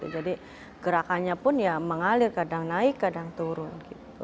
jadi gerakannya pun ya mengalir kadang naik kadang turun